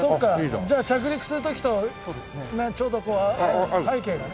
じゃあ着陸する時とちょうどこう背景が。